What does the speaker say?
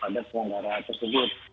pada semanggara tersebut